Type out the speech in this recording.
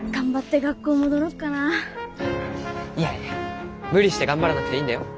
いやいや無理して頑張らなくていいんだよ。